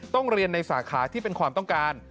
เรียนในสาขาที่เป็นความต้องการ